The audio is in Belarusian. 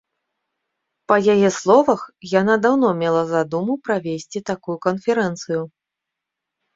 Па яе словах, яна даўно мела задуму правесці такую канферэнцыю.